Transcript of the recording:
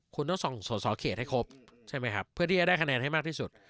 คุณต้องส่งสอสอเขตให้ครบใช่ไหมครับเพื่อที่จะได้คะแนนให้มากที่สุด